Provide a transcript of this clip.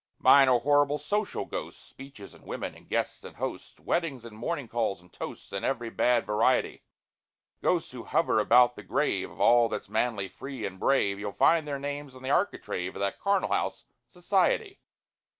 Mine are horrible, social ghosts,— Speeches and women and guests and hosts, Weddings and morning calls and toasts, In every bad variety: Ghosts who hover about the grave Of all that's manly, free, and brave: You'll find their names on the architrave Of that charnel house, Society.